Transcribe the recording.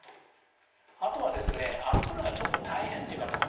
あとはですね歩くのがちょっと大変っていう方もね